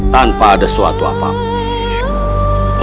tanpa ada suatu apapun